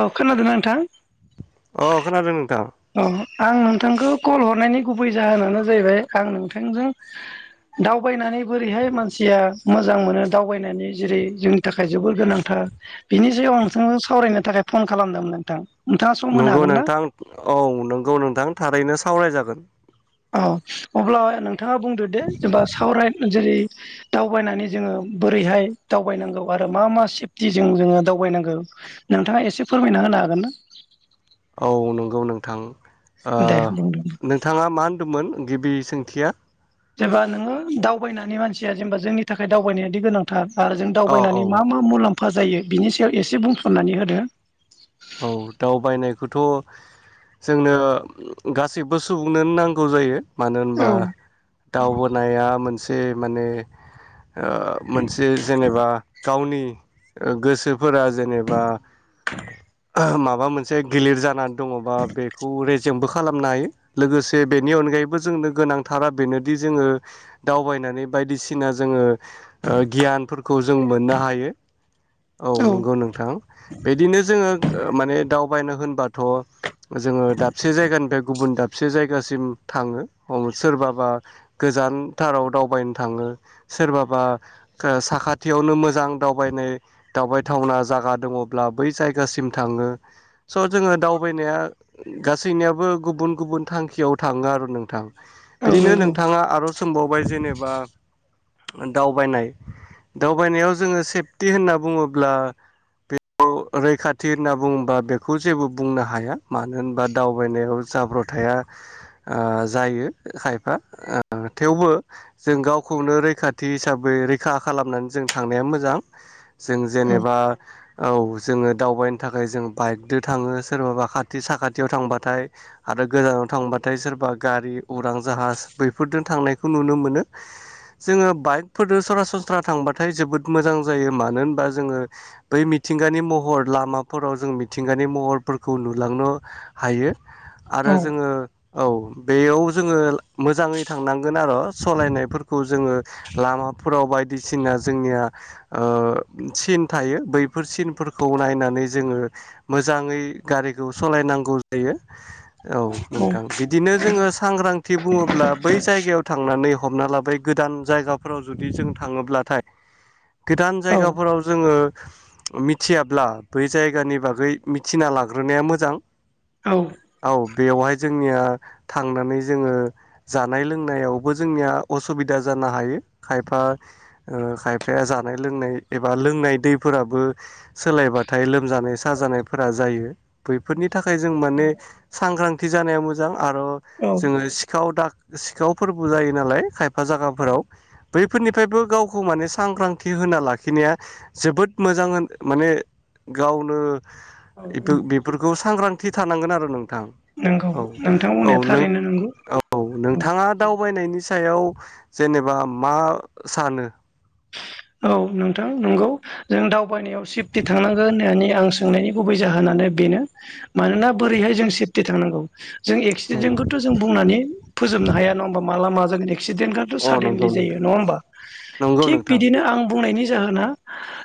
औ खोनादों नोंथां अ खोनादों नोंथां अ आं नोंथांखौ कल हरनायनि गुबै जाहोनानो जाहैबाय आं नोंथांजों दावबायनानै बोरैहाय मानसिया मोजां मोनो दावबायनानै जेरै जोंनि थाखाय जोबोर गोनांथार बिनि सगायाव आं नोंथांजों सावरायनो थाखाय फन खालामदोंमोन नोंथां नोंथाङा सम होनो नंगौ हागोन ना नोंथां औ नोंगौ नोंथां थारैनो सावरायजागोन औ अब्ला नोंथाङा बुंदो दे जेनेबा सावराय जेरै दावबायनानै जोङो बोरैहाय दावबायनांगौ आरो मा मा सेफटिजों जोङो दावबायनांगौ नोंथाङा एसे फोरमायना [unintelligible] हागोन ना औ नंगौ नोंथां दे बुंदो नोंथाङा मा होनदोंमोन गिबि सोंथिया जेनेबा नोङो दावबायनानै मानसिया जेनेबा जोंनि थाखाय दावबायनायाद गोनांथार आरो जों अ औ दावबायनानै मा मा मुलाम्फा जायो बिनि सायाव एसे बुंफननानै होदो औ दावबायनायखौथ' जोंनो गासैबो सुबुंनोन नांगौ जायो मानो होनबा औ दावबोना मोनसे माने मोनसे जेनेबा गावनि गोसोफोरा जेनेबा के माबा मोनसे गिलिर जानानै दङबा बेखौ रेजेंबो खालामनो हायो लोगोसे बेनिन नि अनगायैबो जोंनो गोनांथारा बेनोदि जोङो दावबायनानै बायदिसिना जोङो गियानफोरखौ जों मोननो हायो [unintelligible] औ नंगौ नोंथां बिदिनो जोङो माने दावबायनो होनबाथ' जोङो दाबसे जायगानिफ्राय गुबुन दाबसे जायगासिम थाङो सोरबाबा जानथाराव दावबायनो थाङो सोरबाबा साखाथियावनो मोजां दावबायनाय दावबायथावना जगा दङब्ला बैय जायगासिम थाङो स' जोङो दावबायनाया गासैनियाबो गुबुन गुबुन थांखियाव थाङो [inaudible] नोंथां औ बिदिनो नंगौ नोंथाङा आरो सोमबावबाय जेनेबा दावबायनाय दावबायनायाव जोङो सेफटि होनना बुङोब्ला [inaudible] रैखा थेरना बुंङोबा बेखौ जेबो बुंनो हाया मानो होनबा दावबायनायाव जाब्रथाया ओ जायो खायफा थेवबो जों गावखौनो रैखाथि हिसाबै रैखा खालामनानै जों थांनाया मोजां जों जेनेबा औ जोङो दावबायनो थाखाय जों बाइकदो थाङो सोरबााबा खाथि साखाथियाव थांबाथाय आरो गोजानाव थांबाथाय सोरबा बा गारि उरां जाहाज बैफोरदों थांनायखौ नुनो मोनो जोङो बाइकफोरदो सरासनस्रा थांबाथाय जोबोद मोजां जायो मानो होनबा जोङो बै मि मिथिंगानि महर' लामा फोराव जों मिथिंगानि महर'फोरखौ नुलांनो हायो औ आरो जोङो औ बेयाव जोङो मोजाङै थांनांगोन आरो सालायनायफोरखौ जोङो लामा फोराव बायदिसिना जोंनिया ओ सिन थायो बैफोर सिनफोरखौ नायनानै जोङो मोजाङै गारिखौ सालायनांगौ जायो औ नोंथां बिदिनो जोङो सांग्रांथि बुङोब्ला बै जायगायाव थांनानै हमना लाबाय गोदान जायगाफोराव जुदि जों थाङोब्लाथाय [unintelligible] गोदान औ जायगाफोराव जोङो मिथियाब्ला बै जायगानि बागै मिथिना लाग्रोनाया मोजां। औ। औ बेवहाय जोंनिया थांनानै जोङो जानाय लोंनायावबो जोंनिया असुबिदा जा ना हायो खायफा ओ खायफाया जानाय लोंनाय एबा लोंनाय दैफोराबो सोलायबा थायाइ लोमजानाय साजानायफोरा जायो बैफोरनि थाखाय जों माने सांग्रांथि जानाया मोजां। आरो जोङो सिखावदा सिखावफोरबो जायो नालाय खायफा औ जायागाफोराव बै फोरनिफ्रायबो गावखौ माने सांग्रांथि होना लाखिनाया जोबोद मोजां माने गावनो औ बेफोरखौ सांग्रांथि थानांगोन आरो नोंथां। नंगौ औ नोंथां बुंनाया थारैनो नंगौ औ-औ नोंथाङा दावबायनायनि सायाव जेनेबा मा सानो? औ नोंथां नंगौ जों दावबायनायाव सेफटि थांनांगोन होननानै आं सोंनायनि गुबै जाहोना नो बेनो मानोना बोरैहाय जों सेफटि थांनांगौ । जों औ एक्सिडेन्टखौथ' जों बुंनानै फोजोबनो हाया नङा होमाबा माला मा जागोन। एक्सिडेन्टथ' अ नंगौ सादेनलि जायो नोंथां नङा होमबा नंगौ थिग नोंथां बिदिनो आं बुंनायनि जाहोना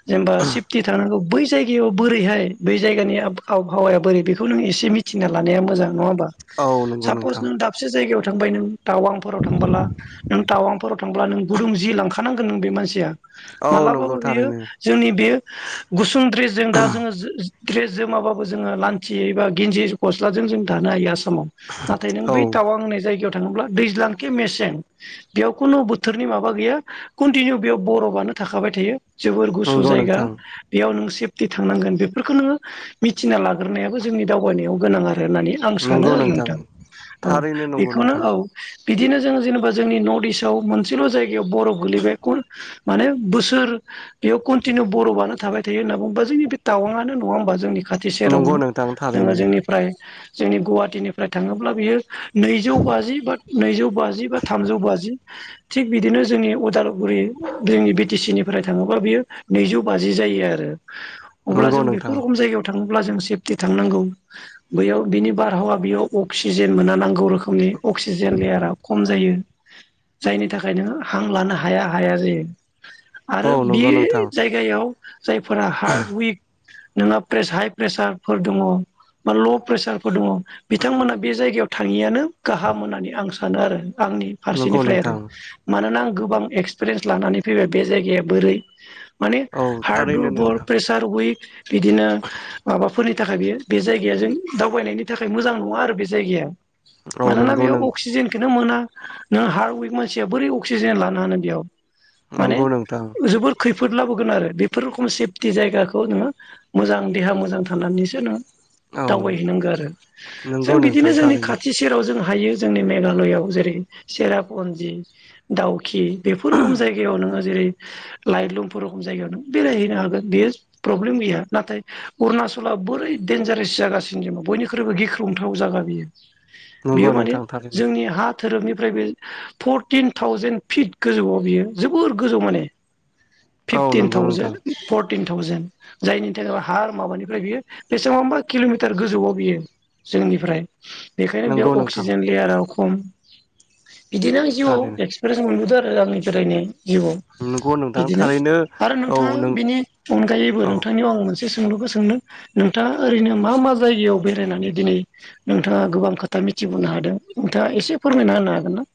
जेनबा सेफटि थानांगौ बै जायगायाव बोरैहाय बै जायगानि आबहावाया बोरै बेखौसे मिना लानाया मोजां नङा होमबा औ नंगौ सापस नोंथां नों दाबसे जायगायाव थांबाय नों टावांफोराव थांबोला नों टावांफोराव थांब्ला नों गुदुं जि लांखानांगोन नों बे मानसिया औ नंगौ मालाबाबो बियो थारैनो जोंनि बे गुसुं द्रेसजों दा जोङो ड्रेस जोमाबो जोङो लांथियै एबा गिन्जि गस्लाजों जों थानो हायो। नाथाय नों औ बै टावां होननाय जायगायाव थाङोब्ला दैज्लां केे मेसें बेयाव खुनु बोथोरनि माबा गैया कन्टिनिउ बेयाव बर' नो थाखाबाय थायो जोबोर गुसु नंगौ जायगा नोंथां बेयाव नों सेफटि थांनांगोन बेफोरखौ नोङो मिथिना लाग्रोनायाबो जोंनि दावबायनायाव गोनां आरो होननानै आं सानो आरो नोंथां औ थारैनो नंगौ बेखौनो नोंथां औ बिदिनो जों जेनेबा जोंनि नर्थइस्टआव मोनसेल' जायगायाव बर'फ गोलैबाय खन माने बोसोर बेयाव कन्टिनिउ बर'बानो थाबाय थायो होनना बुङोबा जोंनि बे टावांआानो नङा होमबा जोंनि खाथि नंगौ सेरावनो नोंथां जोङो थारैनो जोंनिफ्राय जोंनि गुवाहाटिनिफ्राय थाङोब्ला बियो नैजौ बाजि बा नैजौ बाजि बा थामजौ बाजि थिग बिदिनो जोंनि उदालगुरि जोंनि बिटि सि निफ्राय थाङोब्ला बियो नैजौ बाजि जायो आरो अब्ला नंगौ जों बेफोर नोंथां रखम जायगायाव थां अब्ला जों सेफटि थांनांगौ बेयाव बिनि बारहावा बेयाव अक्सिजेन मोना नांगौ रोखोम रोखोमनि अक्सिजेन लेयारा खम जायो जायनि थाखायनो हां लानो हाया हाया जायो। औ आरो बे नंगौ नोंथां जायगायाव जायफोरा हार्ड उइक नोंहा प्रेस हाइ प्रेसारफोर दङ। बा ल'प्रेसारफोर दङ बिथांमोना बे जायगायाव थाङियानो गाहाम होननानै आं सानो आरो। आंनि नंगौ फारसेनिफ्राय आरो नोंथां मानोना आं गोबां एक्सपिरियेन्स लानानै फैबाय बे जायगाया बोरै माने औ हार्ड थारैनो दुरबल नोंथां प्रेसार उइक बिदिनो माबाफोरनि थाखाय बेयो बे जायगाया जों दावबायनायनि थाखाय मोजां नङा आरो बे जायगाया। औ मानोना नंगौ नों बेयाव अक्सिजेनखौनो मोना। नों हार उइक मानसिया बोरै अक्सिजेन लानो हानो बेयाव माने नंगौ नोंथां जोबोर खैफोद फोर लाबोगोन आरो बेफोर रोखोम सेफटि जायगाखौ नोङो मोजां देहा मोजां थानानैसो नोङो। औ दावबायहैनांगौ आरो नंगौ जों बिदिनो नोंथां जोंनि थारैनो खाथि सेराव जोंहा। हायो जोंनि मेघालयआव जेरै सेरापुन्जि दाउखि। रखुम जायगायाव नोङो जेरै लायफ रखम जायगायाव नों बेरायहैनो हागोन बेयो प्रब्लेम गैया नाथाय अरुना नाचला बोरै दडेनन्जारेस जागासिनो जों बयख्रुबो गिख्रंथाव जागा बियो नंगौ बेयो माने नोंथां थारैनो जोंनि हा धोरोबनि ओमफ्राय बे फरटिन थावजेन फिट गोजौआव बियो जोबोर गोजौ माने। औ फिफटिन नंगौ थावजेन नोंथां फर परटिन थावजेन जायनि थाखाय हार माबानिफ्राय बियो बेसेबांबा किल'मिटार गोजौआव बियो। जोंनिफ्राय बेखायनो नंगौ बेयाव नोंथां अक्सिजेन लेयारा खम। बिदिनो आं जिउआव थारैनो एक्सपिरियेन्स मोनबोदों आरो आंनि बेरायनाय। जिउआव नंगौ नोंथां बिदिनो थारैनो आरो औ नोंथाङा नों बिनि अनगायैबो औ नोंथांनियाव आं मोनसे सोंलुखौ सोंनो नोंथाङा ओरैनो मा मा जायगायाव बेरायनानै दिनै नोंथाङा गोबां खोथा। मिथिबोनो हादों नोंथाङा एसे फोरमायना होनो हागोन ना?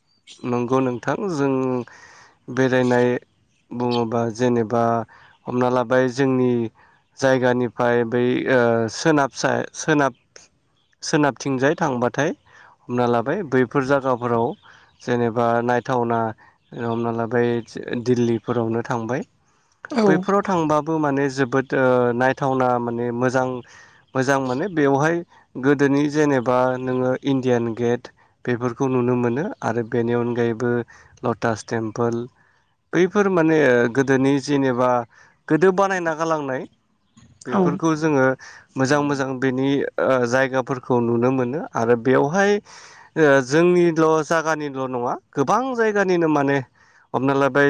नंगौ नोंथां जों बेरायनाय बुङोबा जेनेबा हमना लाबाय जोंनि जायगानिफ्राय बै ओ सोनाब सा सोनाब सोनाबथिंजाय थांबाथाय हमना लाबाय बैफोर जागाफोराव जेनेबा नायथावना हमना लाबाय दिल्लीफोरावनो थांबाय। औ बैफोराव थांबाबो माने जोबोद नायथावना माने मोजां मोजां माने बेवहाय गोदोनि जेने एबा नोङो इण्डियान गेट बेफोरखौ नुनो मोनो। आरो बेनि अनगायैबो लटास टेम्पोल बैफोर माने गोदोनि जेनेबा गोदो बानायना गालांनाय। औ बेफोरखौ जोङो मोजां मोजां बेनि जायगाफोरखौ नुनो मोनो आरो बेवहाय जोंनिल' जायगानिल' नङा गोबां जायगानिनो माने हमना लाबाय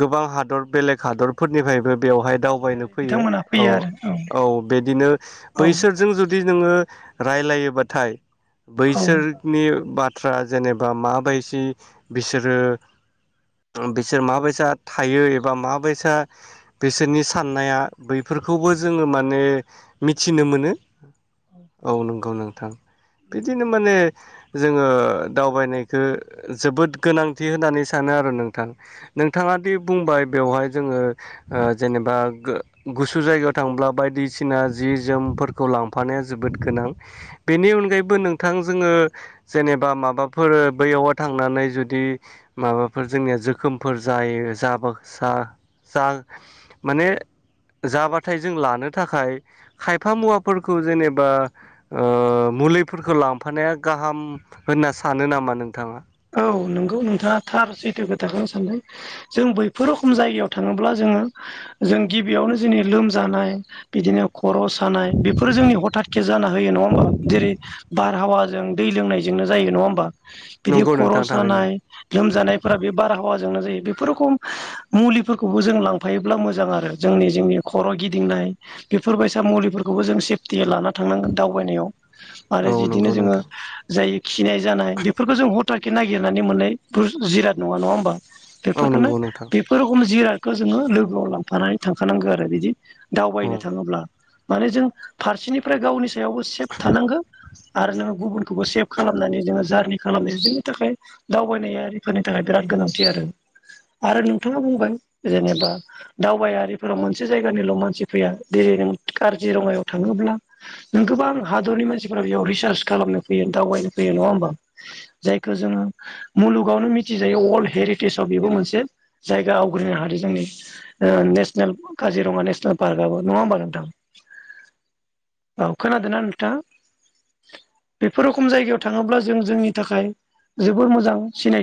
गोबां हादर बेलेग हादरफोरनिफ्रायबो बेवहाय दावबायनो दावबायारि फैयो बिथांमोना औ फैयो आरो औ बिदिनो औ बैसोरजों जुदि नोङो रायलायोबाथाय बैसोरनि बाथ्रा जेनेबा माबायसि बिसोरो बिसोर माबायसा थायो एबा माबायसा बिसोरनि साननाया बै फोरखौबो औ जोङो माने मिथिनो मोनो औ नंगौ नोंथां। बिदिनो माने जोङो दावबायनायखौ जोबोद गोनांथि होननानै सानो आरो नोंथां नोंथाङा दि बुंबाय बेवहाय जोङो जेनेबा गुसु जायगायाव थांब्ला बायदिसिना जि जोम फोरखौ लांफानाया जोबोद गोनां बेनि अनगायैबो नोंथां जोङो जेनेबा माबा फोर बैयाव थांनानै जुदि माबाफोर जोंनिया जोखोमफोर जायो जाबोसा जा माने जाबाथाय जों लानो थाखाय खायफा मुवाफोरखौ जेनेबा ओ मुलिफोरखौ लांफानाया गाहाम होनना सानो नामा नोंथाङा? औ नंगौ नोंथाङा थार सैथो खोथाखौनो साननायदों जों बैफोर रोखोम जायगायाव थाङोब्ला जों जों गिबियावनो जोंनि लोमजानाय बिदिनो खर' सानाय बेफोरो जोंनि हथातके जाना होयो नङा होमबा जेरै बारहावा दै लोंनायजोंनो जायो नङा होम्बा बिदि नंगौ खर' नोंथां थारैनो सानाय लोमजानायफोरा बे बारहावा जोंनो जायो बेफोर रखम मुलिफोरखौबो जों लांफायोब्ला मोजां आरो जोंनि जोंनि खर' गिदिंनाय बेफोरबायसा मुलिफोरखौ जों सेफटि लानानै थांनांगोन दावबायनायाव आरो औ बिदिनो नंगौ जोङो नोंथां जाय फोरखौ जों हथाके नागिरनानै मोननायफोर जिराद नङा नङा होमबा? औ बेफोरखौनो नंगौ नोंथां बेफोर रोखोम जिरादखौ जोङो लोगोआव लांफानानै थांखानांगौ आरो बिदि औ दावबायनो थाङोब्ला माने जों फारसेनिफ्राय गावनि सायावबो सेफ थानांगो आरो नोङो गुबुनखौबो सेभ खालामनानै नोङो जारनि खालामनाय जोंनि थाखाय दावबायनायारिफोरनि थाखाय बिराद गोनांथि आरो। आरो नोंथाङा बुंबाय जेनेबा दावबायारिफोराव मोनसे जायगानिल' मानसि फैया जेरै काजिरङायाव थाङोब्ला नों गोबां हादरनि मानसिफोरा बेयाव रिसार्च खालामनो फैयो दाव बायनो फैयो नङा होम्बा? जायखौ जोङो मुलुगावनो मिथिजायो वर्ल्ड हेरिटेजाव बेबो मोनसे जायगा आव ग्रिनो हादों जोंनि नेसनेल काजिरङा नेसनेल पार्कआबो नङा होमबा नोंथां? [inaudible] औ खोनादोंना नोंथाङा बेफोर रखम जायगायाव थाङोब्ला जों जोंनि थाखाय जोबोर मोजां सिनाय